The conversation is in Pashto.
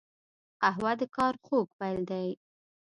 قهوه د کار خوږ پیل دی